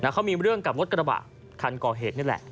เขามีเรื่องกับรถกระบะคันก่อเหตุนี่แหละ